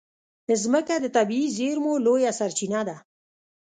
مځکه د طبعي زېرمو لویه سرچینه ده.